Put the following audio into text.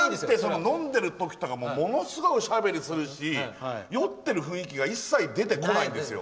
飲んでる時とかもものすごくおしゃべりするし酔ってる雰囲気が一切、出てこないんですよ。